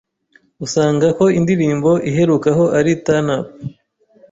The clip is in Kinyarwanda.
usanga ko indirimbo iherukaho ari Turn Up